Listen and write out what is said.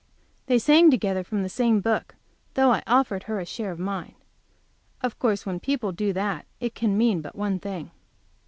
They sang together from the same book, though I offered her a share of mine. Of course, when people do that it can mean but one thing.